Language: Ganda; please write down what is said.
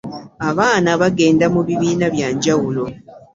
Abaana bagenda mu bibiina bya njawulo.